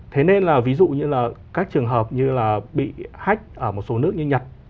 thế nên là ví dụ như là các trường hợp như là bị hách ở một số nước như nhật